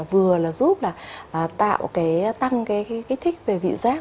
vừa là giúp tăng kích thích về vị giác